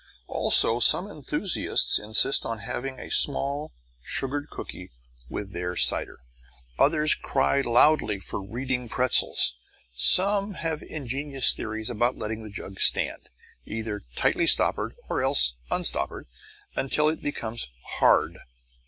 Also some enthusiasts insist on having small sugared cookies with their cider; others cry loudly for Reading pretzels. Some have ingenious theories about letting the jug stand, either tightly stoppered or else unstoppered, until it becomes "hard."